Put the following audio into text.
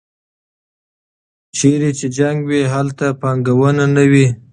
چېرته چې جنګ وي هلته پانګونه نه وي.